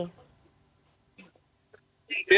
ya mungkin dikarenakan untuk si games tahun ini